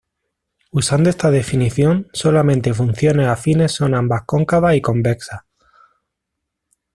Usando esta definición, solamente funciones afines son ambas cóncavas y convexas.